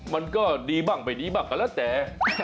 มันก็ดีบ้างไม่ดีบ้างก็แล้วแต่